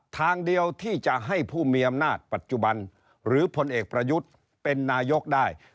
ทางเดียวที่จะให้ผู้มีอำนาจปัจจุบันหรือพลเอกประยุทธ์เป็นนายกได้